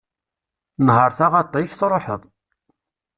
Nher taɣaṭ-ik, truḥeḍ.